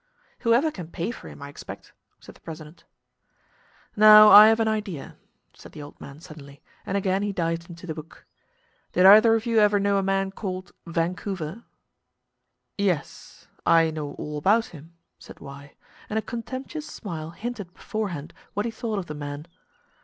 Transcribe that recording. "Whoever can pay for him, I expect," said the president. "Now I have an idea," said the old man suddenly, and again he dived into the book. "Did either of you ever know a man called Vancouver?" "Yes I know all about him," said Y, and a contemptuous smile hinted beforehand what he thought of the man.